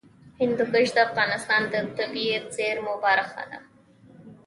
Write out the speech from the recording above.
هندوکش د افغانستان د طبیعي زیرمو برخه ده.